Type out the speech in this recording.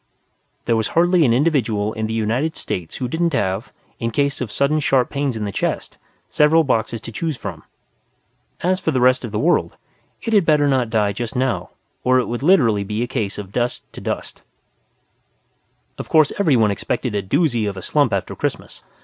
There was hardly an individual in the United States who didn't have, in case of sudden sharp pains in the chest, several boxes to choose from. As for the rest of the world, it had better not die just now or it would be literally a case of dust to dust. Of course everyone expected a doozy of a slump after Christmas.